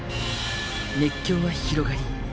熱狂は広がり。